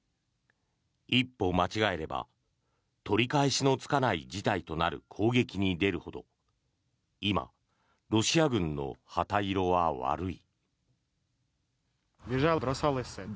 一歩間違えれば取り返しのつかない事態となる攻撃に出るほど今、ロシア軍の旗色は悪い。